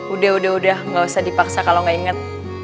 udah udah udah gak usah dipaksa kalo gak inget